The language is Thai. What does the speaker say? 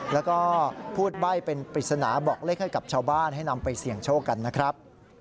แล้วก็พูดใบ้เป็นปริศนาบอกเลขให้กับชาวบ้านให้นำไปเสี่ยงโชคกันนะครับ